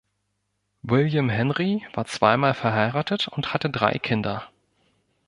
William Henry war zweimal verheiratet und hatte drei Kinder.